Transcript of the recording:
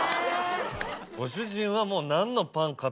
ご主人はもう。